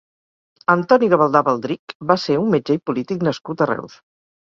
Antoni Gavaldà Baldrich va ser un metge i polític nascut a Reus.